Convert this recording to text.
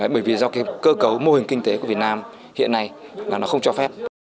bởi vì do cơ cấu mô hình kinh tế của việt nam hiện nay là nó không cho phép